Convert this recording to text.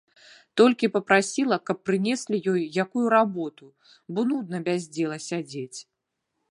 Толькі папрасіла, каб прынеслі ёй якую работу, бо нудна без дзела сядзець.